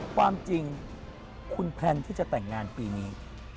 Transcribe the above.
ความจริงคุณแพลนที่จะแต่งงานปีนี้